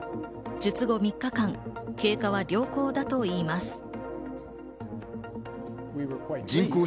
術後３日間、経過は良好だといいます。